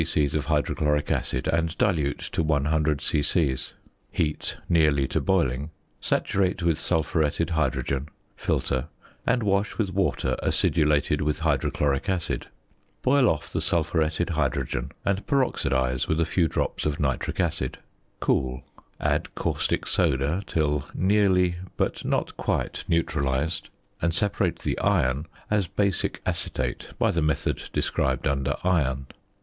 c. of hydrochloric acid and dilute to 100 c.c.; heat nearly to boiling; saturate with sulphuretted hydrogen; filter, and wash with water acidulated with hydrochloric acid. Boil off the sulphuretted hydrogen and peroxidise with a few drops of nitric acid. Cool; add caustic soda till nearly, but not quite, neutralised, and separate the iron as basic acetate by the method described under Iron.